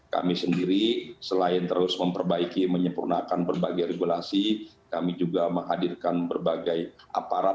kami sendiri selain terus memperbaiki menyempurnakan berbagai regulasi kami juga menghadirkan berbagai aparat